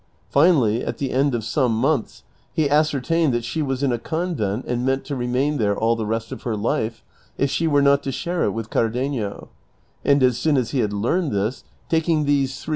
Finally, at the end of some months he ascer tained that she was in a convent and meant to remain there all the rest of her life, if she were not to share it with Car denio ; and as soon as he had learned this, taking these three 316 DON QUIXOTE.